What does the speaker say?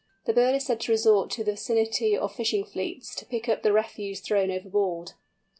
The bird is said to resort to the vicinity of fishing fleets, to pick up the refuse thrown overboard.